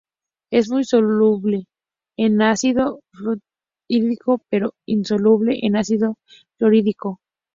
Es muy soluble en ácido fluorhídrico pero insoluble en ácido clorhídrico.